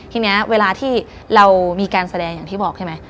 ทีนี้เวลาที่เรามีการแสดงอย่างที่บอกใช่ไหม